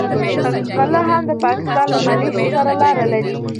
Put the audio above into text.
غله هم د پاکستان له مليشو سره لاره لري.